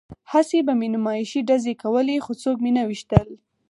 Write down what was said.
هسې به مې نمایشي ډزې کولې خو څوک مې نه ویشتل